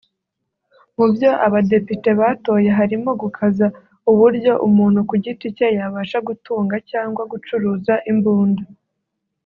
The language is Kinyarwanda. Mu byo abadepite batoye harimo gukaza uburyo umuntu ku giti cye yabasha gutunga cyangwa gucuruza imbunda